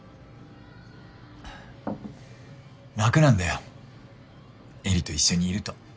楽なんだよ絵里と一緒にいると。